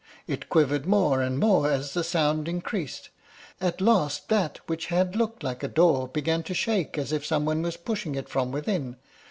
It quivered more and more as the sound increased. At last that which had looked like a door began to shake as if some one was pushing it from within.